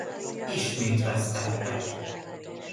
Ismét vesztettek.